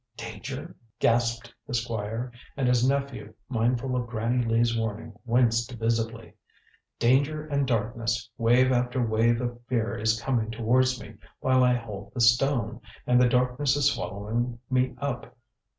"Danger?" gasped the Squire, and his nephew, mindful of Granny Lee's warning, winced visibly. "Danger and darkness. Wave after wave of fear is coming towards me, while I hold the stone, and the darkness is swallowing me up.